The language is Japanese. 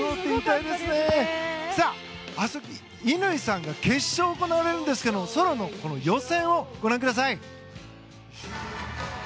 明日、乾さんの決勝が行われるんですけどもソロの予選をご覧ください。